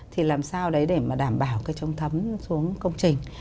thì làm sao đấy để mà đảm bảo cái trống thấm xuống công trình